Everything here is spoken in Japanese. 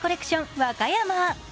和歌山。